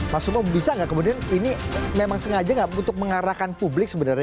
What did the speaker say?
mas bung bung bisa nggak kemudian ini memang sengaja nggak untuk mengarahkan publik sebenarnya